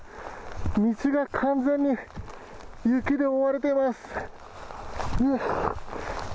道が完全に雪で覆われています。